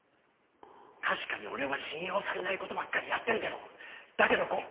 確かに俺は信用されない事ばっかりやってるけどだけど。